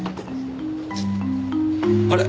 あれ？